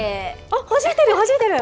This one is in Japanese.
はじいてる、はじいてる。